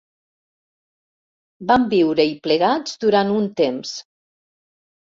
Vam viure-hi plegats durant un temps.